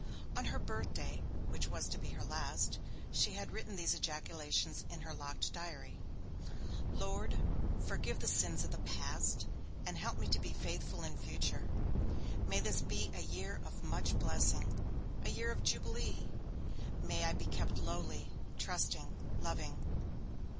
On her birthday, which was to be her last, she had written these ejaculations in her locked diary: 'Lord, forgive the sins of the past, and help me to be faithful in future! May this be a year of much blessing, a year of jubilee! May I be kept lowly, trusting, loving!